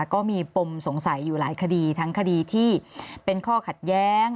ก็มีปมสงสัยอยู่หลายคดีทั้งคดีที่เป็นข้อขัดแย้ง